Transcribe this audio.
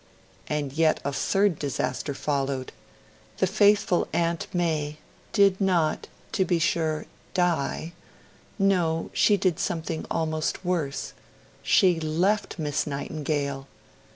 And yet a third disaster followed. The faithful Aunt Mai did not, to be sure, die; no, she did something almost worse: she left Miss Nightingale.